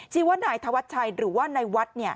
ชื่อว่านายธวัชชัยหรือว่านายวัด